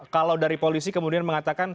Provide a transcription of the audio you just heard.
kalau dari polisi kemudian mengatakan